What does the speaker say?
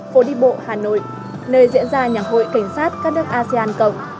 phố đi bộ hà nội nơi diễn ra nhạc hội cảnh sát các nước asean cộng